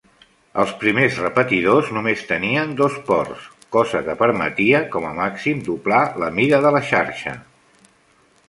Els primers repetidors només tenien dos ports, cosa que permetia, com a màxim, doblar la mida de la xarxa.